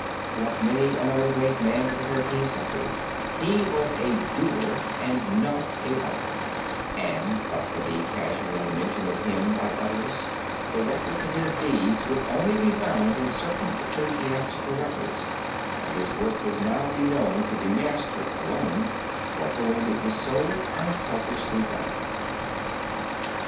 Like many another great man of the Thirteenth Century he was a doer and not a writer, and, but for the casual mention of him by others, the records of his deeds would only be found in certain ecclesiastical records, and his work would now be known to the Master alone, for whom it was so unselfishly done.